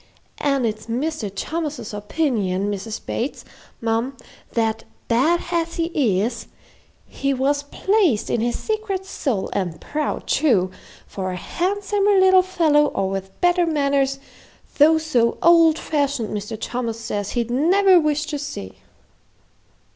An' it's Mr. Thomas's opinion, Mrs. Bates, mum, that bad as he is, he was pleased in his secret soul, an' proud, too; for a handsomer little fellow, or with better manners, though so old fashioned, Mr. Thomas says he'd never wish to see."